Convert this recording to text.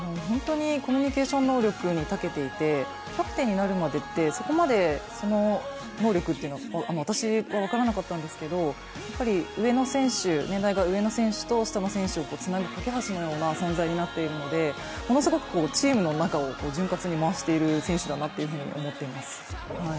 コミュニケーション能力にたけていて、キャプテンになるまで、そこまでその能力は私は分からなかったんですが年代が上の選手と下の選手をつなぐ懸け橋のような存在になっているので、ものすごくチームの中を潤滑に回してる選手だと思ってます。